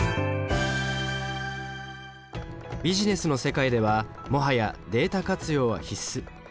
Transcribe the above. ビジネスの世界ではもはやデータ活用は必須。